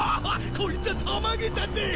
こいつはたまげたぜ！